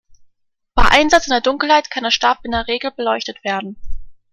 Bei Einsatz in der Dunkelheit kann der Stab in der Regel beleuchtet werden.